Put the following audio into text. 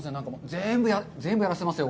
全部、全部やらせてますよ。